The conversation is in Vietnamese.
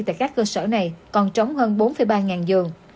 tại các cơ sở này còn trống hơn bốn ba giường